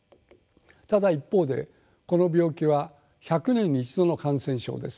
ただ一方でこの病気は１００年に一度の感染症です。